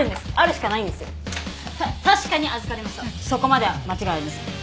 そこまでは間違いありません。